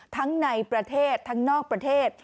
ทั้งในประเทศทั้งนอกประเทศ